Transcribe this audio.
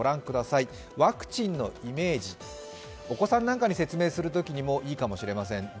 ワクチンのイメージ、お子さんなんかに説明するときもいいかもしれません。